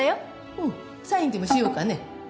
うんサインでもしようかね。